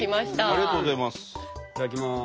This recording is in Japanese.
ありがとうございます。